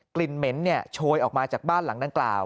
กลิ่นเหม็นเนี่ยโชยออกมาจากบ้านหลังด้านกล่าว